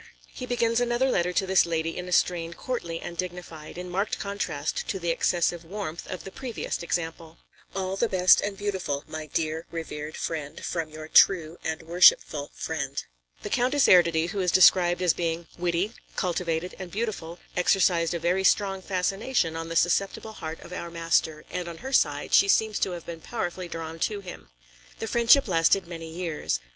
He begins another letter to this lady in a strain courtly and dignified, in marked contrast to the excessive warmth of the previous example: "Alles Gute und Schöne meiner lieben, verehrten, mir theure Freundin, von ihrem wahren und verehrenden Freund." The Countess Erdödy, who is described as being witty, cultivated and beautiful, exercised a very strong fascination on the susceptible heart of our master, and on her side, she seems to have been powerfully drawn to him. The friendship lasted many years.